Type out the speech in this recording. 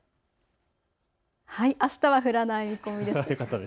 あしたは降らない見込みです。